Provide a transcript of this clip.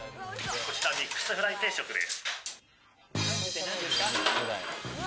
ミックスフライ定食です。